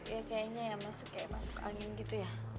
ya kayaknya ya kayak masuk angin gitu ya